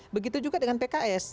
begitu juga dengan pks